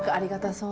そう。